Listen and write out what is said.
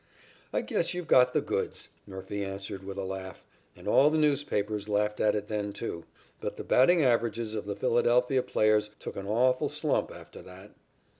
"'I guess you've got the goods,' Murphy answered with a laugh, and all the newspapers laughed at it then, too. But the batting averages of the Philadelphia players took an awful slump after that.